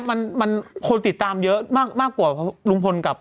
เอาความจริงสิอ้ะ